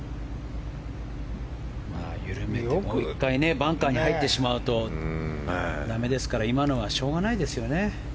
バンカーに入ってしまうと駄目ですから今のはしょうがないですよね。